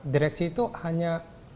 direksi itu hanya